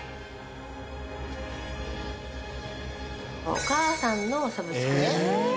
お母さんのサブスクです。